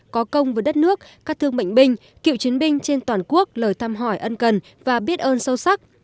có công với đất nước các thương bệnh binh cựu chiến binh trên toàn quốc lời thăm hỏi ân cần và biết ơn sâu sắc